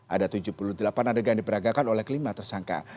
ada tujuh puluh delapan adegan diperagakan oleh kelima tersangka